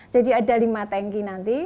jadi ada lima tanki nanti